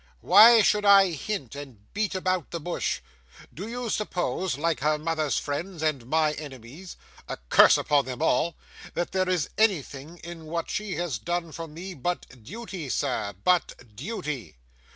Why should I hint, and beat about the bush? Do you suppose, like her mother's friends and my enemies a curse upon them all! that there is anything in what she has done for me but duty, sir, but duty?